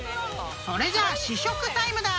［それじゃあ試食タイムだ！］